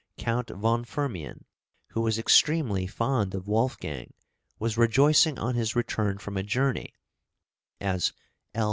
Count von Firmian, who was extremely fond of Wolfgang, was rejoicing on his return from a journey (as L.